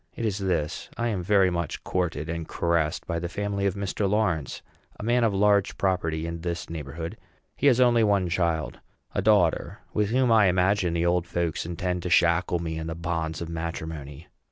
It is this: I am very much courted and caressed by the family of Mr. Lawrence, a man of large property in this neighborhood. He has only one child a daughter, with whom I imagine the old folks intend to shackle me in the bonds of matrimony.